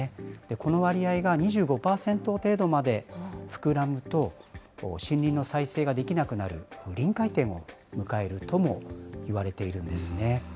この割合が２５％程度まで膨らむと、森林の再生ができなくなる臨界点を迎えるともいわれているんですね。